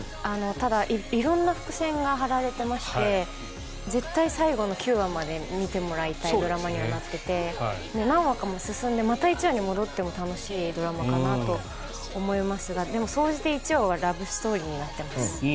ただ、色んな伏線が張られていまして絶対最後の９話まで見てもらいたいドラマにはなっていて何話か進んでまた１話に戻っても楽しいドラマかなと思いますがでも総じて１話はラブストーリーになっています。